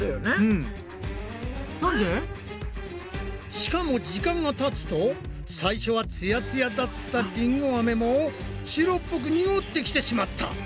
しかも時間がたつと最初はつやつやだったりんごアメも白っぽく濁ってきてしまった！